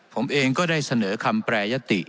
ผมเองก็ได้เสนอคำแปรยติ